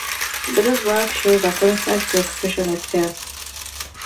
Beddoes' work shows a constant preoccupation with death.